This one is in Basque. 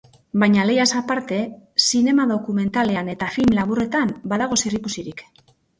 Baina lehiaz aparte, zinema dokumentalean eta film laburretan badago zer ikusirik.